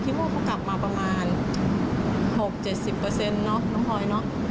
ดิคิดว่าเขากลับมาประมาณ๖๗๐น้องพลอย